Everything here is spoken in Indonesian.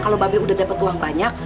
kalau babe udah dapet uang banyak